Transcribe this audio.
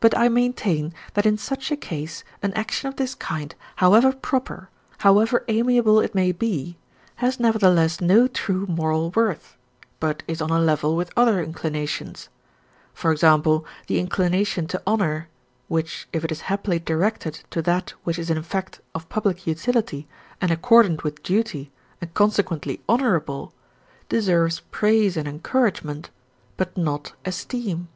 But I maintain that in such a case an action of this kind, however proper, however amiable it may be, has nevertheless no true moral worth, but is on a level with other inclinations, e.g., the inclination to honour, which, if it is happily directed to that which is in fact of public utility and accordant with duty and consequently honourable, deserves praise and encouragement, but not esteem.